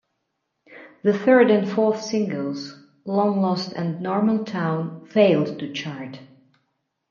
The third and fourth singles, "Long Lost" and "Normal Town," failed to chart.